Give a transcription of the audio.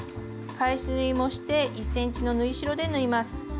返し縫いもして１ｃｍの縫い代で縫います。